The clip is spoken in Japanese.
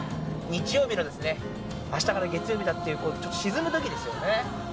日曜日のですね、あしたから月曜日だっていう、ちょっと沈むときですよね。